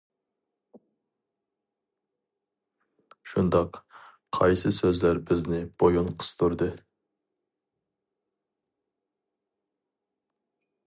شۇنداق قايسى سۆزلەر بىزنى بويۇن قىستۇردى.